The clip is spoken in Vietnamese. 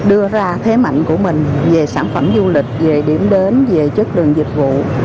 đưa ra thế mạnh của mình về sản phẩm du lịch về điểm đến về chất lượng dịch vụ